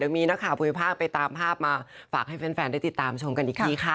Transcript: มีนักข่าวภูมิภาคไปตามภาพมาฝากให้แฟนได้ติดตามชมกันอีกทีค่ะ